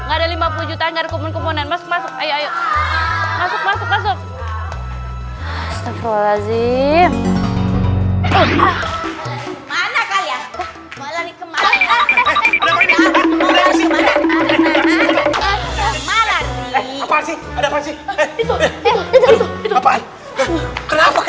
enggak ada lima puluh juta ngarepun kemonen masuk masuk ayo ayo masuk masuk masuk